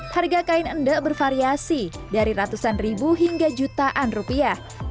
harga kain endek bervariasi dari ratusan ribu hingga jutaan rupiah